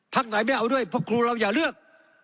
ไหนไม่เอาด้วยเพราะครูเราอย่าเลือก